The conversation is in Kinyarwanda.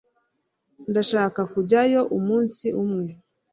ndashaka kujyayo umunsi umwe